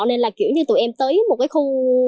nên là kiểu như tụi em tới một cái khu